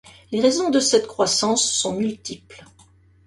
Les raisons de cette croissance sont multiples.